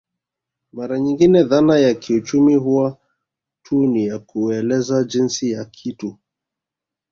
Mara nyingine dhana ya kiuchumi huwa tu ni ya kueleza jinsi ya kitu